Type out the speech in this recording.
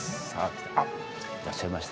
あっいらっしゃいました。